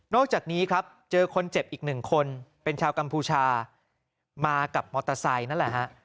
อกจากนี้ครับเจอคนเจ็บอีกหนึ่งคนเป็นชาวกัมพูชามากับมอเตอร์ไซค์นั่นแหละฮะ